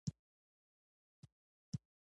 ولسي نرخونه څه ته وایي باید ځواب شي په پښتو ژبه.